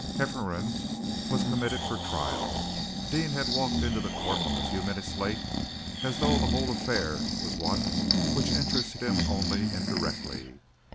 Hefferom was committed for trial. Deane had walked into the court a few minutes late, as though the whole affair was one which interested him only indirectly.